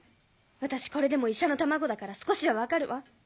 私これでも医者の卵だから少しは分かるわ。